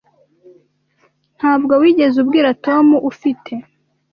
Ntabwo wigeze ubwira Tom, ufite?